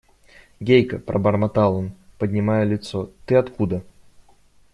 – Гейка, – пробормотал он, поднимая лицо, – ты откуда?